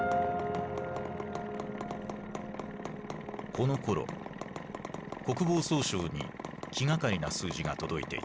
このころ国防総省に気がかりな数字が届いていた。